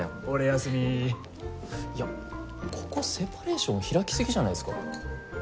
いやここセパレーション開きすぎじゃないですか？